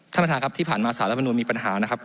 ท่านประธานครับที่ผ่านมาสารรัฐมนุนมีปัญหานะครับ